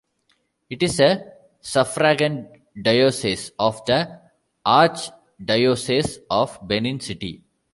It is a suffragan diocese of the Archdiocese of Benin City.